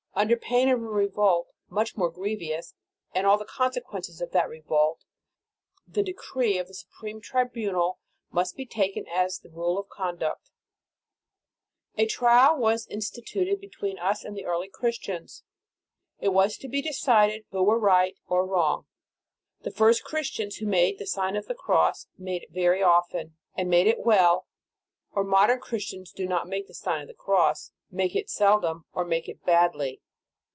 Under pain of a revolt much more grievous, and all the conse quences of that revolt, the decree of the supreme tribunal must be taken as the rule of conduct. A trial was instituted between us and the 295 296 The Sign of the Cross early Christians. It was to be decided who were right or wrong ; the first Christians who made the Sign of the Cross, made it very often, and made it well; or modern Chris tians who do not make the Si^n of the Cross, O make it seldom, or make it badly.